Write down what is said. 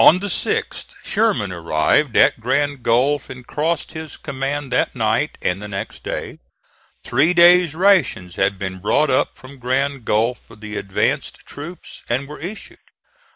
On the 6th Sherman arrived at Grand Gulf and crossed his command that night and the next day. Three days' rations had been brought up from Grand Gulf for the advanced troops and were issued.